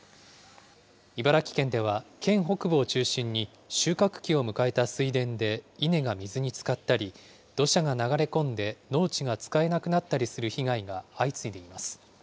茨城県では、県北部を中心に収穫期を迎えた水田で稲が水につかったり、土砂が流れ込んで、農地が使えなくなったりする被害が相次いでいます。